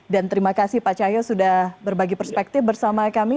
dan terima kasih pak cahyo sudah berbagi perspektif bersama kami